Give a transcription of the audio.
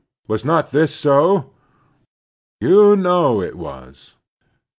Was not this so? You know it was.